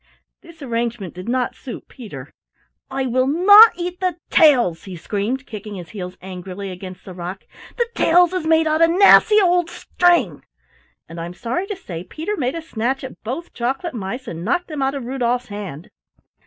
This arrangement did not suit Peter. "I will not eat the tails," he screamed, kicking his heels angrily against the rock, "the tails is made out of nassy old string!" And, I am sorry to say, Peter made a snatch at both chocolate mice and knocked them out of Rudolf's hand.